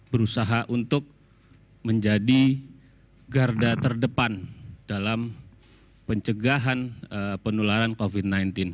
berusaha untuk menjadi garda terdepan dalam pencegahan penularan covid sembilan belas